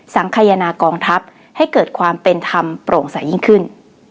ขยนากองทัพให้เกิดความเป็นธรรมโปร่งใสยิ่งขึ้น